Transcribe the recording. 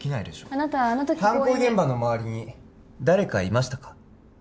あなたはあの時犯行現場の周りに誰かいましたか？